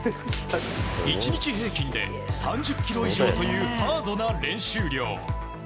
１日平均で３０ｋｍ以上というハードな練習量。